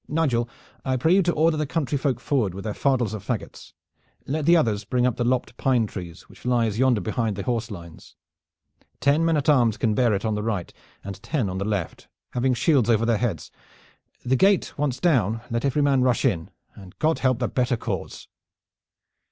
Nigel, I pray you to order the countryfolk forward with their fardels of fagots. Let the others bring up the lopped pine tree which lies yonder behind the horse lines. Ten men at arms can bear it on the right, and ten on the left, having shields over their heads. The gate once down, let every man rush in. And God help the better cause!"